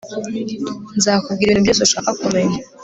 nzakubwira ibintu byose ushaka kumenya